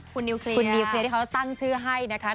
คุณนิวเคลร์ที่เขาตั้งชื่อให้นะคะ